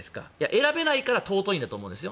選べないから尊いんだと思うんです。